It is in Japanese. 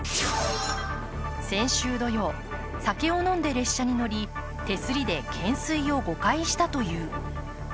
先週土曜、酒を飲んで列車に乗り手すりで懸垂を５回したという。